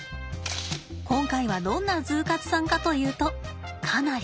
今回はどんなＺＯＯ活さんかというとかなり。